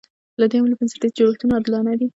له دې امله بنسټیز جوړښتونه عادلانه دي.